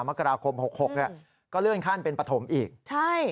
มกราคมหกหกอ่ะก็เลื่อนขั้นเป็นประถมอีกใช่